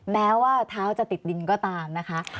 แม้ว่าเท้าจะติดดินก็ตามนะคะ